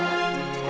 aku akan siap